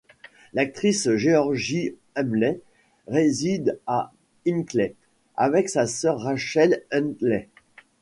L'actrice Georgie Henley réside à Ilkley avec sa sœur Rachel Henley.